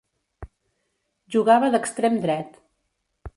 Jugava d'extrem dret.